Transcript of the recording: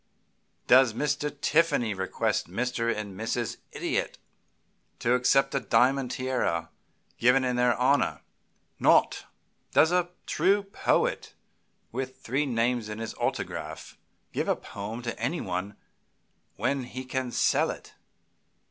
Does Mr. Tiffany request Mr. and Mrs. Idiot to accept a diamond tiara given in their honor? Not. Does a true poet, with three names on his autograph, give a poem to anybody when he can sell it?